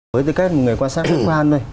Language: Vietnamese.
với tư cách người quan sát khách quan đây